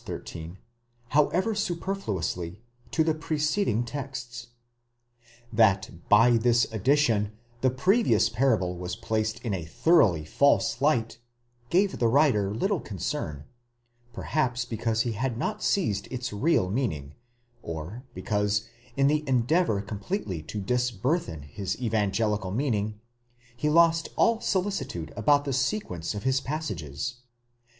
13), however superfluously, to the preceding 'texts? 15 That by this addition the previous parable was placed in a thoroughly false light, gave the writer little concern, perhaps because he had not seized its real meaning, or because, in the endeavour completely to dis burthen his evangelical meaning, he lost all solicitude about the sequence of his passages.